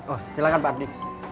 oh silahkan pak ardi